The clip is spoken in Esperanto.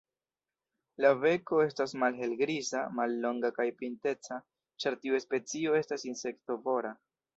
La beko estas malhelgriza, mallonga kaj pinteca, ĉar tiu specio estas insektovora.